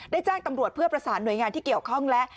แจ้งตำรวจเพื่อประสานหน่วยงานที่เกี่ยวข้องและ